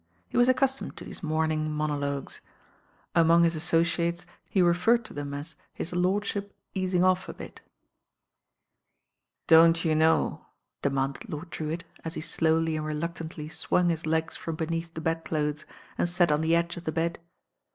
He was accustomed to these morning monologues. Among THE MORXmO APTER «67 hit aMociates he referred to them as "Hit lordship easing off a bit." "Don't you know '* demanded Lord Drewitt as he slowly and reluctantly swung his legs from beneath the bedclothes and sat on the edge of the bed.